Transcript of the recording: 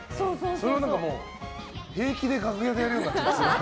それを平気で楽屋でやるようになって。